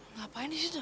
ngapain di situ